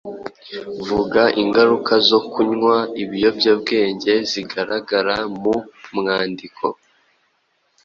Vuga ingaruka zo kunywa ibiyobyabwenge zigaragara mu mwandiko.